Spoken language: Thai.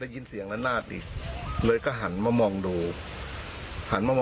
มีบททางโบท